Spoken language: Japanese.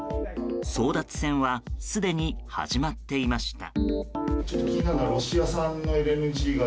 争奪戦はすでに始まっていました。